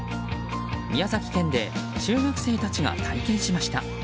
宮崎県で中学生たちが体験しました。